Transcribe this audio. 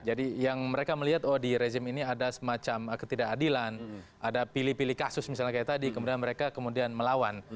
jadi yang mereka melihat oh di rezim ini ada semacam ketidakadilan ada pilih pilih kasus misalnya kayak tadi kemudian mereka kemudian melawan